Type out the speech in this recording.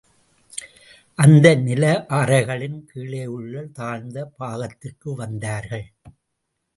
அந்த நிலவறைகளின் கீழேயுள்ள தாழ்ந்த பாகத்திற்கு வந்தார்கள்.